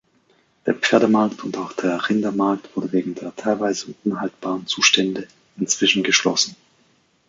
Der Pferdemarkt und auch der Rindermarkt wurde wegen der teilweise unhaltbaren Zustände inzwischen geschlossen.